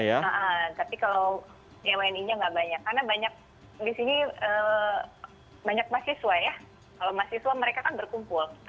iya tapi kalau wni nya nggak banyak karena banyak di sini banyak mahasiswa ya kalau mahasiswa mereka kan berkumpul mereka punya tetap